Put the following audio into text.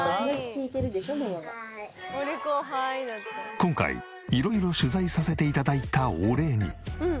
今回色々取材させて頂いたお礼に。